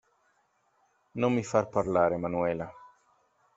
Non mi far parlare, Manuela.